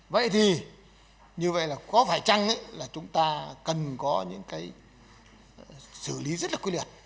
vậy thì như vậy là có phải chăng là chúng ta cần có những cái xử lý rất là quy liệt